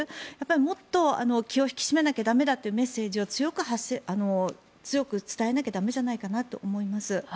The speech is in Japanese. もっと気を引き締めなきゃ駄目だというメッセージを強く伝えなきゃ駄目だと思います。